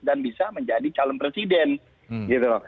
bisa menjadi calon presiden gitu loh